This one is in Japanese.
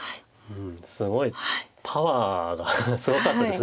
すごいパワーがすごかったです